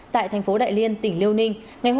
tại thành phố đại liên tỉnh liêu ninh